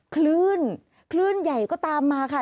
คลื่นคลื่นใหญ่ก็ตามมาค่ะ